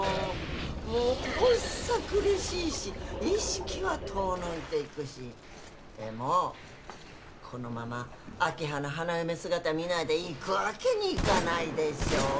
もう発作苦しいし意識は遠のいていくしでもこのまま明葉の花嫁姿見ないで逝くわけにいかないでしょう？